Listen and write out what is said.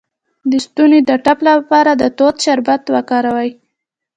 د ستوني د ټپ لپاره د توت شربت وکاروئ